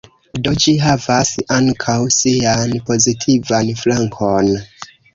Do ĝi havas ankaŭ sian pozitivan flankon.